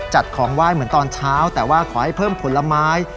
จัดของไหว้เหมือนตอนเช้าแต่ว่าขอให้เพิ่มผลไม้